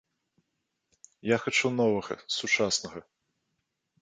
Я хачу новага, сучаснага.